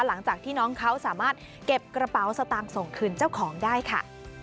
หลังจากที่น้องเขาสามารถเก็บกระเป๋าสตางค์ส่งคืนเจ้าของได้ค่ะ